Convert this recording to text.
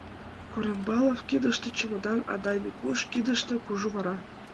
Корембалов кидыште чемодан, Адай Микуш кидыште кужу вара.